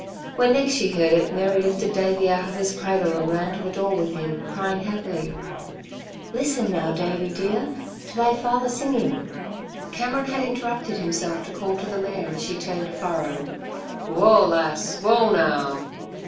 When next she heard it, Mary lifted Davey out of his cradle and ran to the door with him, crying happily: "Listen, now, Davey dear, to thy father singing!" Cameron had interrupted himself to call to the mare as she turned a furrow: "Whoa, Lass! Whoa now!"